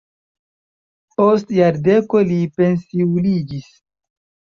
Post jardeko li pensiuliĝis.